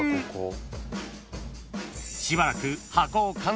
［しばらく］